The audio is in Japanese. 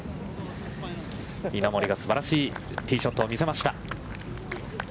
稲森がすばらしいティーショットを見せました。